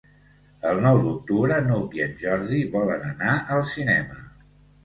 El nou d'octubre n'Hug i en Jordi volen anar al cinema.